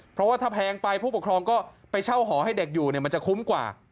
เพราะว่าถ้าแพงไปผู้ปกครองก็ไปเช่าหอให้เด็กอยู่มันจะคุ้มกว่า